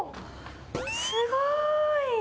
すごーい。